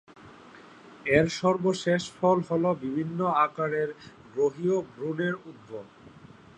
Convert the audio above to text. এর সর্বশেষ ফল হল বিভিন্ন আকারের গ্রহীয় ভ্রূণের উদ্ভব।